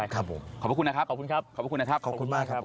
ครับผมขอบคุณครับขอบคุณครับขอบคุณมากครับขอบคุณครับ